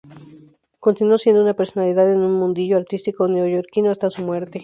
Continuó siendo una personalidad en el mundillo artístico neoyorquino hasta su muerte.